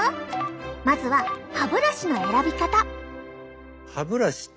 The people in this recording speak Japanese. まずは歯ブラシの選び方！